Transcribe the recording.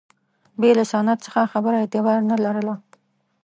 بې له سند څخه خبره اعتبار نه لرله.